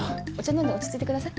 飲んで落ち着いてください。